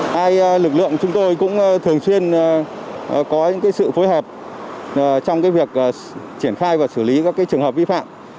hai lực lượng chúng tôi cũng thường xuyên có những sự phối hợp trong việc triển khai và xử lý các trường hợp vi phạm